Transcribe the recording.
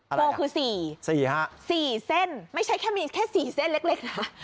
อะไรอ่ะโฟลล์คือสี่สี่ฮะสี่เส้นไม่ใช่แค่มีแค่สี่เส้นเล็กนะ